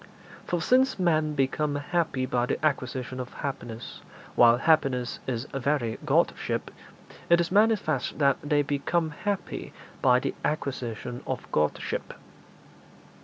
For since men become happy by the acquisition of happiness, while happiness is very Godship, it is manifest that they become happy by the acquisition of Godship.